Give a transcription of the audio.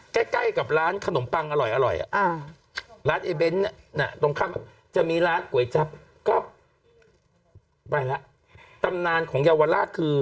ใกล้ใกล้กับร้านขนมปังอร่อยร้านไอ้เบ้นตรงข้ามจะมีร้านก๋วยจับก็ไปแล้วตำนานของเยาวราชคือ